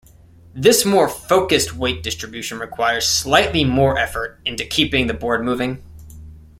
This more focused weight distribution requires slightly more effort into keeping the board moving.